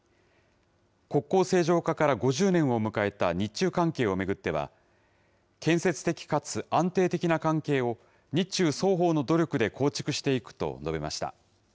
国交正常化から５０年を迎えた日中関係を巡っては、建設的かつ安定的な関係を、日中双方の努力で構築していくと述べました。